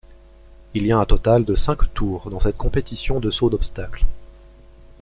Il y a un total de cinq tours dans cette compétition de saut d'obstacles.